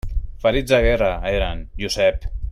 Ferits de guerra, eren, Josep!